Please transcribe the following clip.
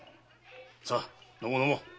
さあ飲もう飲もう。